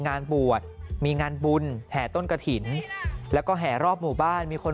งานบวชมีงานบุญแห่ต้นกระถิ่นแล้วก็แห่รอบหมู่บ้านมีคน